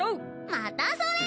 またそれ？